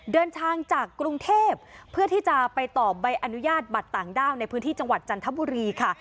เดินทางจากกรุงเทพเพื่อที่จะไปต่อใบอนุญาตบัตรต่างด้าวในพื้นที่จังหวัดจันทบุรีค่ะ